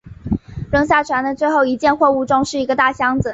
扔下船的最后一件货物中是一个大箱子。